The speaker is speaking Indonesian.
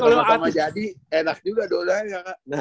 kalau sama sama jadi enak juga dua duanya kakak